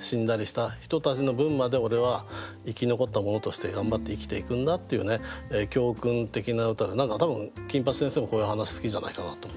死んだりした人たちの分まで俺は生き残った者として頑張って生きていくんだっていうね教訓的な歌で何か多分金八先生もこういう話好きじゃないかなと思って。